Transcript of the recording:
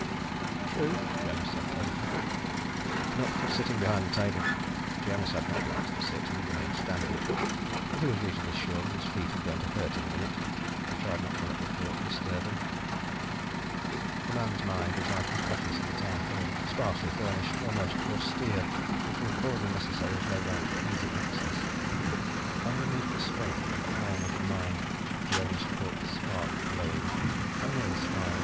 "True," Jonas said pleasantly. Knupf was sitting behind the table. Jonas had not been asked to sit; he remained standing, and he was reasonably sure that his feet were going to hurt in a minute. He tried not to let the thought disturb him. The man's mind was like his office in the Town Hall: sparsely furnished, almost austere, but with all the necessaries laid out for easy access. Underneath the strength and iron of the mind Jonas caught the spark glowing, and nearly smiled.